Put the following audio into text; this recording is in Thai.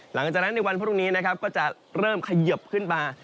หลังจากนั้นในวันพรุ่งนี้นะครับก็จะเริ่มเขยิบขึ้นมา